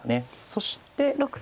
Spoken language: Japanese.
そして。